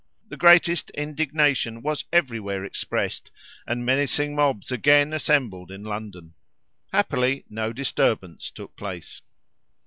The greatest indignation was every where expressed, and menacing mobs again assembled in London. Happily no disturbance took place.